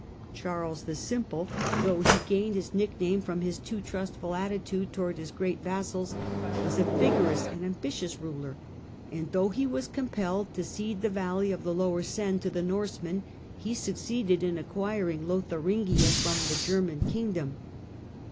Charles the Simple, though he gained his 222 THE DAWN OF MEDIEVAL EUROPE nickname from his too trustful attitude towards his great vassals, was a vigorous and ambitious ruler, and though he was compelled to cede the valley of the Lower Seine to the Northmen, he succeeded in acquiring Lotharingia from the German kingdom.